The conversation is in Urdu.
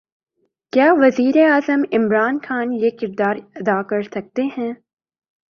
کیا وزیر اعظم عمران خان یہ کردار ادا کر سکتے ہیں؟